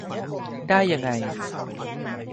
ได้ยังไง